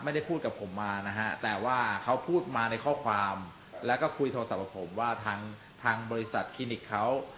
ไม่ได้พูดกับผมมานะฮะแต่ว่าเขาพูดมาในข้อความแล้วก็คุยโทรศัพท์กับผมว่าทางทางบริษัทคลินิกเขา